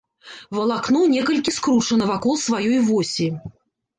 Валакно некалькі скручана вакол сваёй восі.